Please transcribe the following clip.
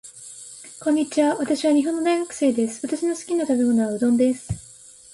こんにちは。私は日本の大学生です。私の好きな食べ物はうどんです。ざるうどんが好きです。よく都内のお店に行きます。